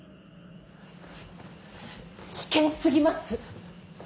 危険すぎます。